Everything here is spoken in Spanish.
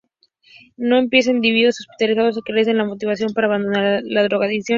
No se emplea en individuos hospitalizados que carecen de motivación para abandonar la drogadicción.